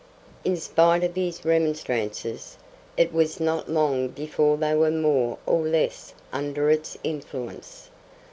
In spite of his remonstrances, it was not long before they were more or less under its influence.